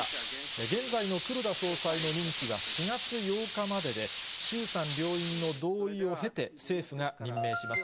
現在の黒田総裁の任期は４月８日までで、衆参両院の同意を経て、政府が任命します。